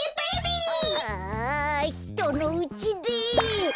ああひとのうちで。